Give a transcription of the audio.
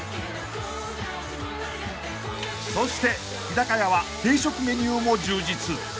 ［そして日高屋は定食メニューも充実］